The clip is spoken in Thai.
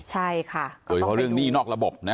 ใช่ค่ะก็ต้องไปดูเรื่องหนี้นอกระบบนะ